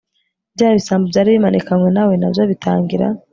Bya bisambo byari bimanikanywe na we na byo bitangira